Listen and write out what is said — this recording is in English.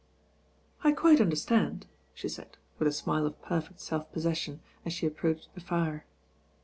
"I quite understand," she said, with a smile of perfect self possession, as she approached the fire.